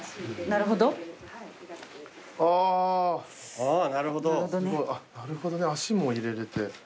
なるほどね足も入れれて。